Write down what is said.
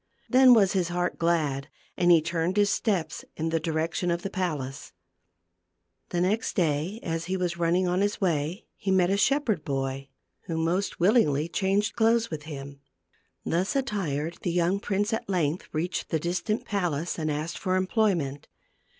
Then was his heart glad, and he turned his steps in the direction of the palace. The next day, as he was running on his way, he met a shepherd boy, who most willingly 264 THE GLASS MOUNTAIN. young on changed clothes with him. Thus attired the reached the distant palace, and asked for employment.